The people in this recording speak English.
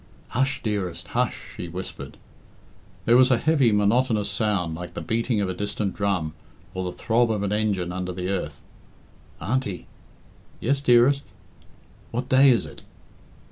"Hush, dearest, hush!" she whispered. There was a heavy, monotonous sound, like the beating of a distant drum or the throb of an engine under the earth. "Auntie!" "Yes, dearest." "What day is it?"